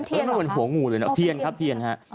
เป็นเทียนหรอคะเหมือนหัวงูเลยนะทียนค่ะ